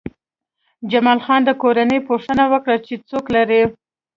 جمال خان د کورنۍ پوښتنه وکړه چې څوک لرې